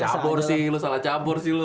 salah cabur sih lu salah cabur sih lu